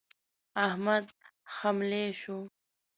احمد خملۍ شو.